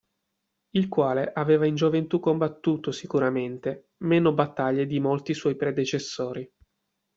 Il quale aveva in gioventù combattuto sicuramente meno battaglie di molti suoi predecessori.